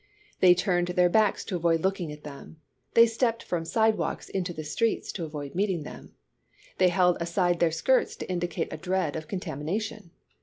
They turned their backs to avoid looking at them. They stepped from sidewalks into the streets to avoid meeting them. They held aside their skirts to indicate a dread of contamination.